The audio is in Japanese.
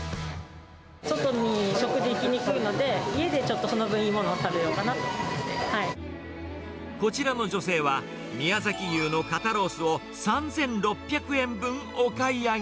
外に食事行きにくいので、家でちょっとその分、いいものをこちらの女性は、宮崎牛の肩ロースを、３６００円分お買い上げ。